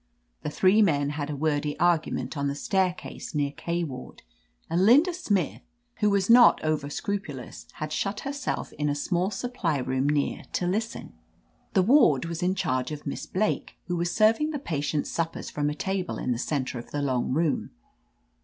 The three men had a wordy argument on the stair case near K ward, and Linda Smith (who was not over scrupulous) had shut herself in a small supply room near to listen. The ward was in charge of Miss Blake, who was serving the patients' suppers from a table in the center of the long room.